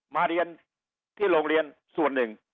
มาเรียนที่โรงเรียนส่วนหนึ่ง